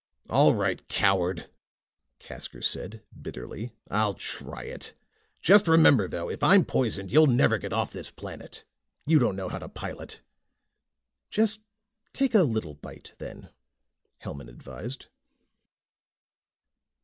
"All right, coward," Casker said bitterly. "I'll try it. Just remember, though, if I'm poisoned, you'll never get off this planet. You don't know how to pilot." "Just take a little bite, then," Hellman advised.